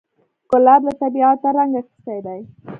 ګلاب له طبیعته رنګ اخیستی دی.